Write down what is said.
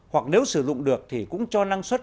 hoặc nếu sử dụng được thì cũng cho năng suất